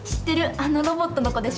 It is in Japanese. あのロボットの子でしょ？